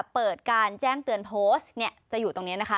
เปิดการแจ้งเตือนโพสต์จะอยู่ตรงนี้นะคะ